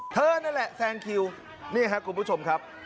เธอนั่นแหละนี่ครับกลุ่มผู้ชมครับ